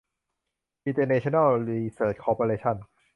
อินเตอร์เนชั่นแนล รีเสริช คอร์ปอเรชั่น